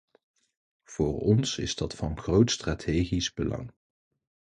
Voor ons is dat van groot strategisch belang.